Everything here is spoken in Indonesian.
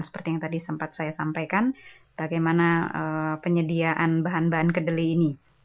seperti yang tadi sempat saya sampaikan bagaimana penyediaan bahan bahan kedelai ini